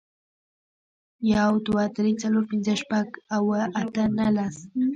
یو, دوه, درې, څلور, پنځه, شپږ, اووه, اته, نه, لس